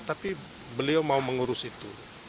tapi beliau mau mengurus itu